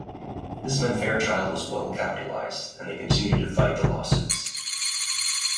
This meant Fairchild was well capitalized and they continued to fight the lawsuits.